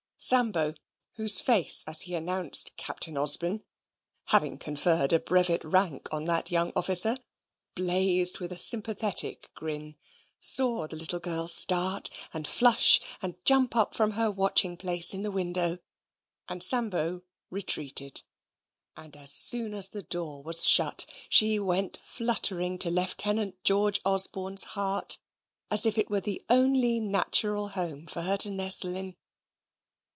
Sambo, whose face as he announced Captain Osbin (having conferred a brevet rank on that young officer) blazed with a sympathetic grin, saw the little girl start, and flush, and jump up from her watching place in the window; and Sambo retreated: and as soon as the door was shut, she went fluttering to Lieutenant George Osborne's heart as if it was the only natural home for her to nestle in.